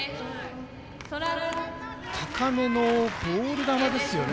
高めのボール球ですよね。